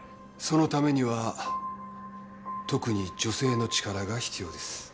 そのためには特に女性の力が必要です。